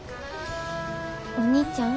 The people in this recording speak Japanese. お兄ちゃん？